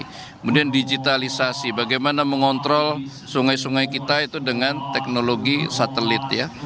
kemudian digitalisasi bagaimana mengontrol sungai sungai kita itu dengan teknologi satelit ya